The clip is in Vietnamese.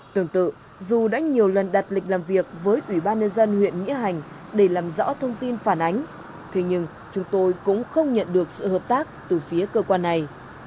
tương tự dù đã nhiều lần đặt lịch làm việc với ủy ban nhân dân huyện nghĩa hành để làm rõ thông tin phản ánh thế nhưng chúng tôi cũng không nhận được sự hợp tác từ phía cơ quan này